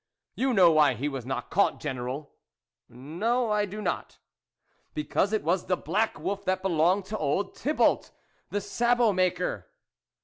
" You know why he was not caught, General." " No, I do not." " Because it was the black wolf that belonged to old Thibault, the sabot maker."